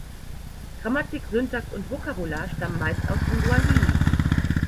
Grammatik, Syntax und Vokabular stammen meist aus dem Swahili.